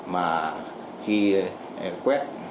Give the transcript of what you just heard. mà khi quét